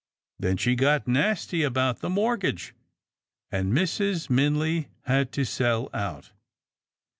Then she got nasty about the mortgage, and Mrs. Minley had to sell out.